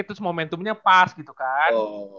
terus momentumnya pas gitu kan